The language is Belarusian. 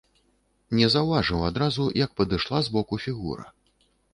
Не заўважыў адразу, як падышла збоку фігура.